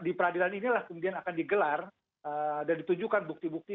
dan di peradilan inilah kemudian akan digelar dan ditujukan bukti bukti